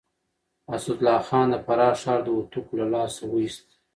اسدالله خان د فراه ښار د هوتکو له لاسه وويست.